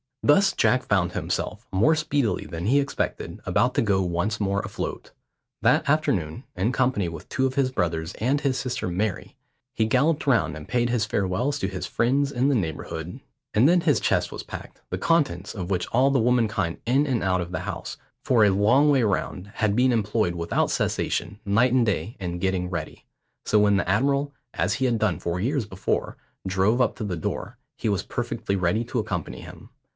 Thus Jack found himself, more speedily than he expected, about to go once more afloat. That afternoon, in company with two of his brothers and his sister Mary, he galloped round and paid his farewells to his friends in the neighbourhood; and then his chest was packed, the contents of which all the womankind in and out of the house, for a long way round, had been employed without cessation, night and day, in getting ready. So when the admiral, as he had done four years before, drove up to the door, he was perfectly ready to accompany him.